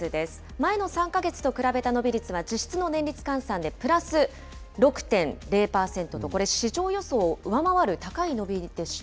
前の３か月と比べた伸び率は、実質の年率換算でプラス６．０％と、これ、市場予想を上回る高い伸びでした。